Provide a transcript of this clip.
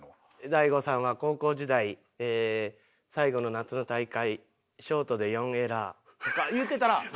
「大悟さんは高校時代最後の夏の大会ショートで４エラー」とか言うてたら。